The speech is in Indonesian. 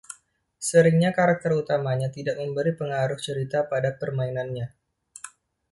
Seringnya, karakter utamanya tidak memberikan pengaruh cerita pada permainannya.